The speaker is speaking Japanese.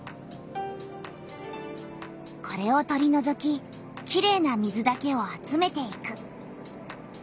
これを取りのぞききれいな水だけを集めていく。